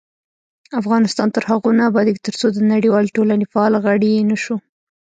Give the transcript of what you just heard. افغانستان تر هغو نه ابادیږي، ترڅو د نړیوالې ټولنې فعال غړي نشو.